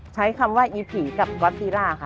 ใช้คำว่าอีผีกับก๊อตตีล่าค่ะ